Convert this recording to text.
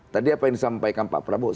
tadi apa yang disampaikan pak prabowo